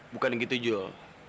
bukan gitu jul